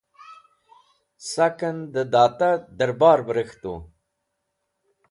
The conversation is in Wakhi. Saken de Data Darbar be Rek̃htu